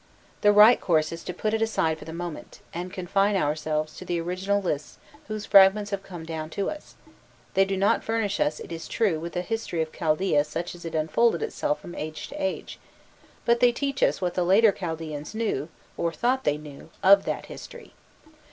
The right course is to put it aside for the moment, and confine ourselves to the original lists whose fragments have come down to us: they do not furnish us, it is true, with a history of Chaldaea such as it unfolded itself from age to age, but they teach us what the later Chaldaeans knew, or thought they knew, of that history.